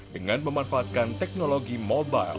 dengan memanfaatkan teknologi mobile